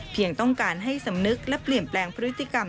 ต้องการให้สำนึกและเปลี่ยนแปลงพฤติกรรม